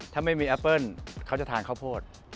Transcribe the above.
ถ้าไม่มีแอปเปิ้ลเขาจะทานข้าวโพด